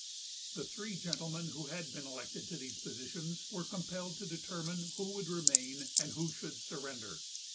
The three gentlemen who had been elected to these positions were compelled to determine who would remain and who should surrender.